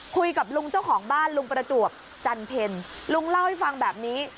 คุยกับลุงเจ้าของบ้านลุงประจวบจันเพ็ญลุงเล่าให้ฟังแบบนี้